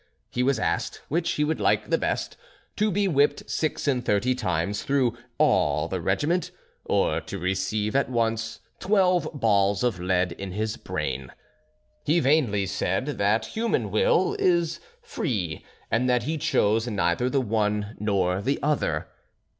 He was asked which he would like the best, to be whipped six and thirty times through all the regiment, or to receive at once twelve balls of lead in his brain. He vainly said that human will is free, and that he chose neither the one nor the other.